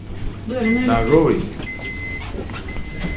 Nà rzóhwè.